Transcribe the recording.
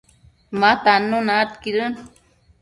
ma tannuna aidquidën